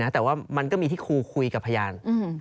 แต่ว่ามันก็มีที่ครูคุยกับพยาน